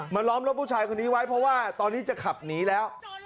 ล้อมรถผู้ชายคนนี้ไว้เพราะว่าตอนนี้จะขับหนีแล้ว